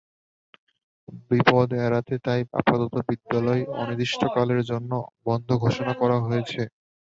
বিপদ এড়াতে তাই আপাতত বিদ্যালয় অনির্দিষ্টকালের জন্য বন্ধ ঘোষণা করা হয়েছে।